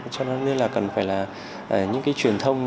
cho nên là cần phải là những cái truyền thông